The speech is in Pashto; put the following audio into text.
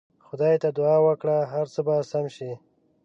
خدای ته دعا وکړه هر څه به سم سي.